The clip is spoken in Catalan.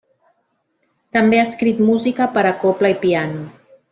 També ha escrit música per a cobla i piano.